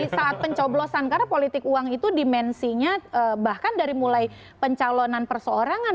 di saat pencoblosan karena politik uang itu dimensinya bahkan dari mulai pencalonan perseorangan